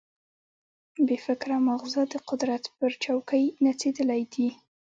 بې فکره ماغزه د قدرت پر چوکۍ نڅېدلي دي.